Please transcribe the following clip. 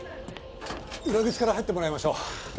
裏口から入ってもらいましょう。